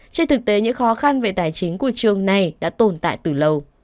trên thực tế những khó khăn về tài chính của trường này đã tồn tại từ lâu